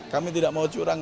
kami tidak mau curang